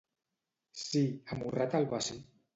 —Sí. / —Amorra't al bací.